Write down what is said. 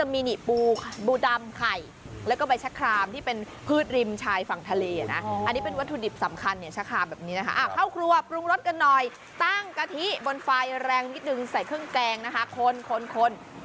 บนฟายแรงนิดหนึ่งใส่เครื่องแกงนะคะคน